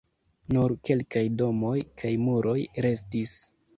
Nur kelkaj domoj kaj muroj restis.